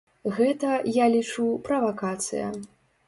Гэта, я лічу, правакацыя.